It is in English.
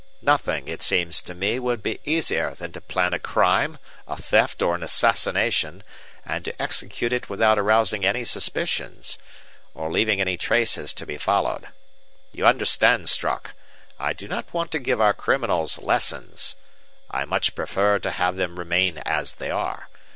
Nothing, it seems to me, would be easier than to plan a crime, a theft or an assassination, and to execute it without arousing any suspicions, or leaving any traces to be followed. You understand, Strock, I do not want to give our criminals lessons; I much prefer to have them remain as they are.